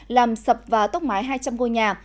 làm sập và tốc mái hai trăm linh ngôi nhà